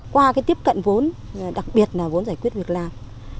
qua tiếp cận vốn đặc biệt là vốn giải quyết việc làm